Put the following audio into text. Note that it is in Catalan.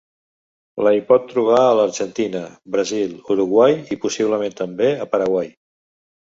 La hi pot trobar a l'Argentina, Brasil, Uruguai, i possiblement també a Paraguai.